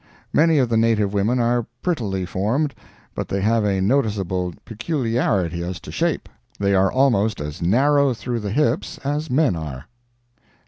Many of the native women are prettily formed, but they have a noticeable peculiarity as to shape—they are almost as narrow through the hips as men are.